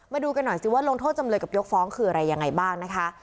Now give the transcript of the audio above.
มาดูกันหน่อยสิว่าลงโทษจำเลยกับยกฟ้องคืออะไรยังไงบ้างนะคะ